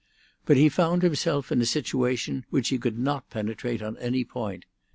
But he found himself in a situation which he could not penetrate at any point.